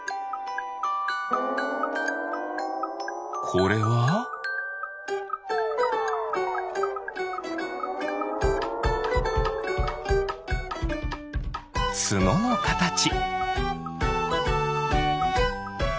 これは？ツノのかたち。